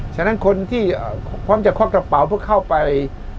ฉะนั้นคนที่พร้อมจะควักกระเป๋าเพื่อเข้าไป